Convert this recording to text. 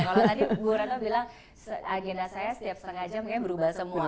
kalau tadi gue bilang agenda saya setiap setengah jam berubah semua